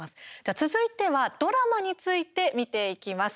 続いては、ドラマについて見ていきます。